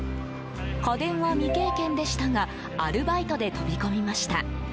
家電は未経験でしたがアルバイトで飛び込みました。